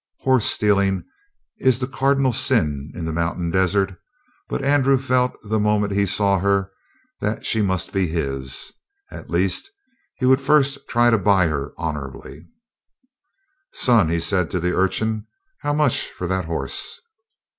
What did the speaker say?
Horse stealing is the cardinal sin in the mountain desert, but Andrew felt the moment he saw her that she must be his. At least he would first try to buy her honorably. "Son," he said to the urchin, "how much for that horse?"